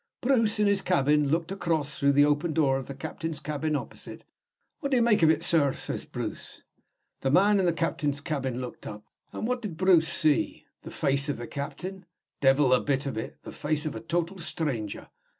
Bruce, in his cabin, looked across through the open door of the captain's cabin opposite. 'What do you make it, sir?' says Brace. The man in the captain's cabin looked up. And what did Bruce see? The face of the captain? Devil a bit of it the face of a total stranger!